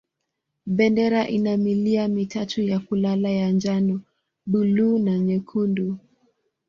Bendera ina milia mitatu ya kulala ya njano, buluu na nyekundu.